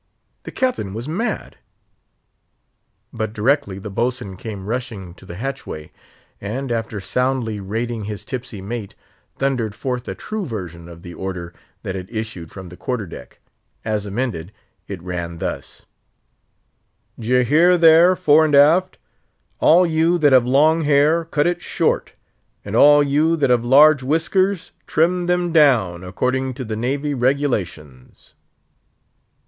The Captain was mad. But directly the Boatswain came rushing to the hatchway, and, after soundly rating his tipsy mate, thundered forth a true version of the order that had issued from the quarter deck. As amended, it ran thus: "D'ye hear there, fore and aft? All you that have long hair, cut it short; and all you that have large whiskers, trim them down, according to the Navy regulations."